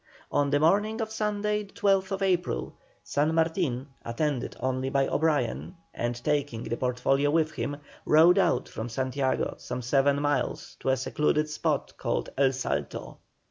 On the morning of Sunday, the 12th April, San Martin, attended only by O'Brien, and taking the portfolio with him rode out from Santiago some seven miles to a secluded spot called "El Salto."